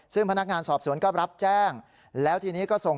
ซึ่งพนักงานสอบศวนก็รับแจ้ง